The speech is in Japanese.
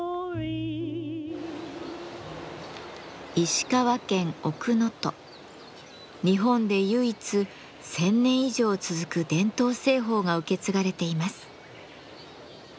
塩鑑賞の小壺は日本で唯一１，０００年以上続く伝統製法が受け継がれています。